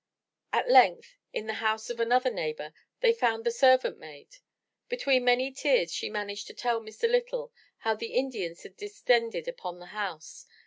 At length, in the house of another neighbor, they found the servant maid. Between many tears, she managed to tell Mr. Lytle how the Indians had descended upon the house.